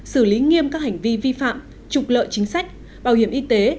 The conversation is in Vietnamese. xử lý nghiêm các hành vi vi phạm trục lợi chính sách bảo hiểm y tế